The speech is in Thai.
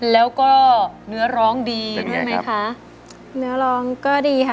แล้วก็เนื้อร้องดี